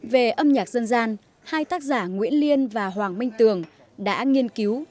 về âm nhạc dân gian hai tác giả nguyễn liên và hoàng minh tường đã nghiên cứu